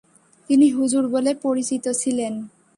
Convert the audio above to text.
তিনি হুজুর বলে পরিচিত ছিলেন।